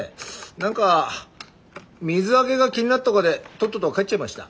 何か水揚げが気になっとがでとっとと帰っちゃいました。